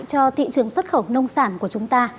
cho thị trường xuất khẩu nông sản của chúng ta